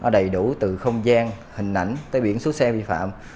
đầy đủ từ không gian hình ảnh tới biển số xe vi phạm